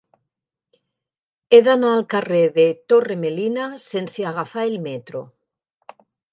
He d'anar al carrer de Torre Melina sense agafar el metro.